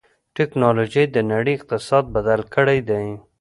ټکنالوجي د نړۍ اقتصاد بدل کړی دی.